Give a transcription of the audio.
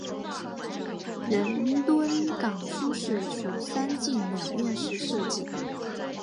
仁敦冈书室属三进两院式设计。